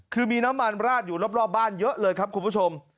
คือมีน้ำมันราดอยู่รอบบ้านเยอะเลยครับคุณผู้ชม